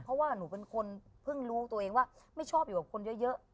เพราะว่าหนูเป็นคนเพิ่งรู้ตัวเองว่าไม่ชอบอยู่กับคนเยอะ